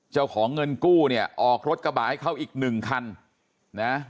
เจ้าของเงินกู้เนี่ยออกรถกระบะให้เขาอีกหนึ่งคันนะ